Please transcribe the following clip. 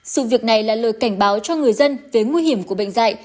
sự việc này là lời cảnh báo cho người dân về nguy hiểm của bệnh dạy